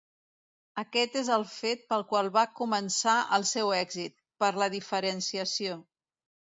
Aquest és el fet pel qual va començar el seu èxit, per la diferenciació.